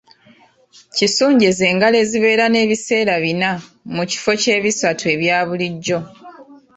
Kisunje ze ngalo eziba n’ebiseera bina mu kifo ky’ebisatu ebya bulijjo.